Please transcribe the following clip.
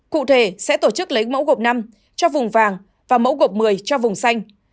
cụ thể sẽ tổ chức lấy mẫu gộp năm cho vùng vàng và mẫu gộp một mươi cho vùng xanh